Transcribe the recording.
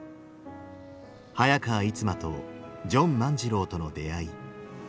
早川逸馬とジョン万次郎との出会い。